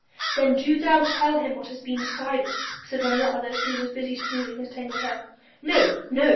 "Then do thou tell him what has been decided," said one of the others who was busy smoothing his tangled hair. "No, no!"